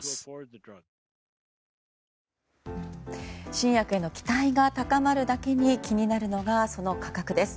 新薬への期待が高まるだけに気になるのがその価格です。